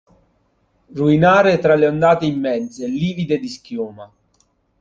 Ruinare tra le ondate immense, livide di schiuma!